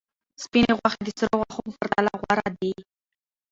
سپینې غوښې د سرو غوښو په پرتله غوره دي.